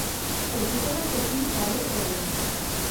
خو چې کله د پير صالح په وېنا